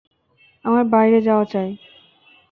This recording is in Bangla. আমার বাইরে যাওয়া চাই।